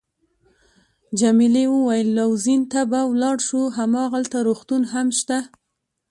جميلې وويل:: لوزین ته به ولاړ شو، هماغلته روغتون هم شته.